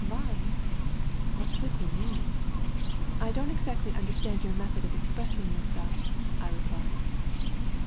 " Line ?" what could he mean ? "I don't exactly understand your method of expreasing yourself," I replied.